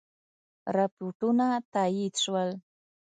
رپوټونه تایید شول.